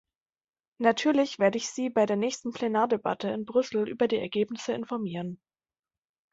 Natürlich werde ich Sie bei der nächsten Plenardebatte in Brüssel über die Ergebnisse informieren.